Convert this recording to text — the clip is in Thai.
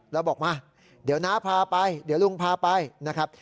แล้วบอกมาเดี๋ยวน้าพาไปเดี๋ยวลุงพาไปนะครับ